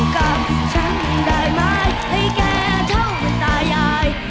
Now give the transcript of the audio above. กับฉันได้ไหมให้แกเท่าตายาย